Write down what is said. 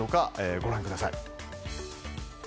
ご覧ください。